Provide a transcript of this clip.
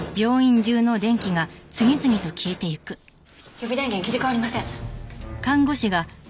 予備電源切り替わりません。